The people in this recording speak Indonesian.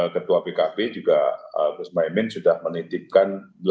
ketua pkb juga gus mohaimin sudah menitipkan